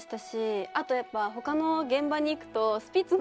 あとやっぱ他の現場に行くと。